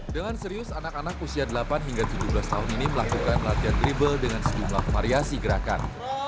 dengan serius anak anak usia delapan hingga tujuh belas tahun ini melakukan latihan dribble dengan sejumlah variasi gerakan